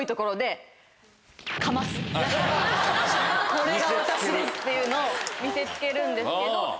これが私ですっていうのを見せつけるんですけど。